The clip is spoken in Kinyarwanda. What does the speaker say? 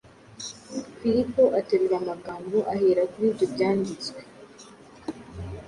Filipo aterura amagambo, ahera kuri ibyo byanditswe,